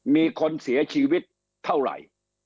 มีคนเสียชีวิตเท่าไหร่